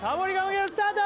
ゲームスタート・